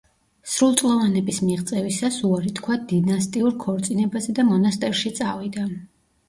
სრულწლოვნების მიღწევისას უარი თქვა დინასტიურ ქორწინებაზე და მონასტერში წავიდა.